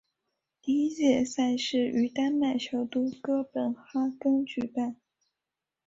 第一届赛事于丹麦首都哥本哈根主办。